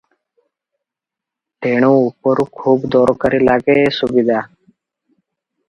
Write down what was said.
ତେଣୁ ଉପରୁ ଖୁବ ଦରକାରୀ ଲାଗେ ଏ ସୁବିଧା ।